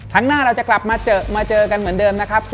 ครั้งหน้าเราจะกลับมาเจอกันเหมือนเดิมนะครับ